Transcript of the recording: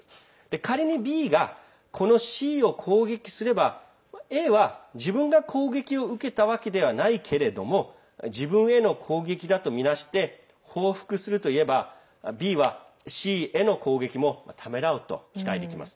仮にＢが、このＣを攻撃すればＡは自分が攻撃を受けたわけではないけれども自分への攻撃だとみなして報復すると言えばＢはＣへの攻撃もためらうと期待できます。